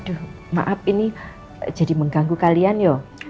aduh maaf ini jadi mengganggu kalian yuk